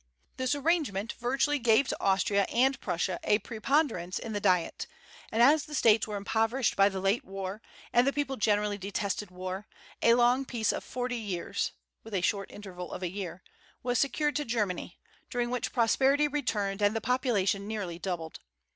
This arrangement virtually gave to Austria and Prussia a preponderance in the Diet; and as the States were impoverished by the late war, and the people generally detested war, a long peace of forty years (with a short interval of a year) was secured to Germany, during which prosperity returned and the population nearly doubled.